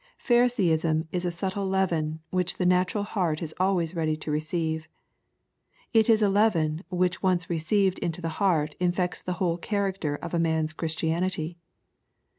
Pharisaism is a subtle leaven which the natural heart is always ready to receive. It is a leaven which once received into the heart infects the whole character of a man's Christianity.